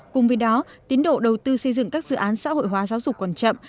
cùng với đó tiến độ đầu tư xây dựng các dự án xã hội hóa giáo dục còn chậm